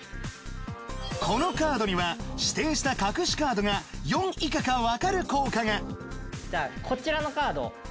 このカードには指定した隠しカードが４以下か分かる効果がじゃあこちらのカード。